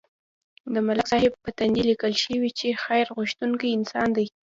د ملک صاحب په تندي لیکل شوي چې خیر غوښتونکی انسان دی.